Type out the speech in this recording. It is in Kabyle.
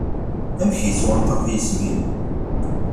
Amek yettwanṭaq yisem-im?